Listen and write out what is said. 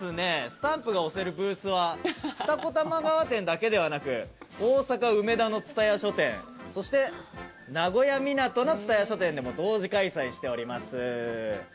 スタンプが押せるブースは二子玉川店だけではなく大阪・梅田の蔦屋書店そして名古屋みなとの蔦屋書店でも同時開催しております。